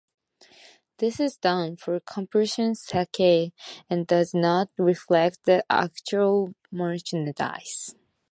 This is done for comparison's sake, and does not reflect the actual merchandise.